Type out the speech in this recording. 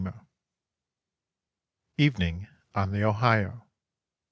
EVENING ON THE OHIO.